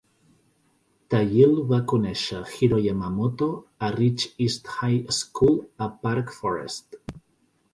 Thayil va conèixer Hiro Yamamoto a Rich East High School a Park Forest.